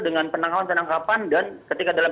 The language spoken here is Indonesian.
dengan penangkapan penangkapan dan ketika dalam